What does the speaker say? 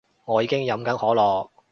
我已經飲緊可樂